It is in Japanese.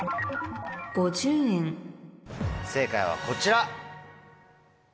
正解はこちら。